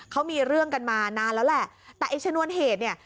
เขามีเรื่องกันมานานแล้วแหละแต่ไอ้ชนวนเหตุเนี่ย